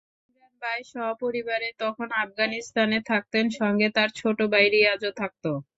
ইমরান ভাই সপরিবারে তখন আফগানিস্তানে থাকতেন, সঙ্গে তাঁর ছোট ভাই রিয়াজও থাকত।